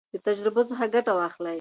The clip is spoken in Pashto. له تجربو څخه ګټه واخلئ.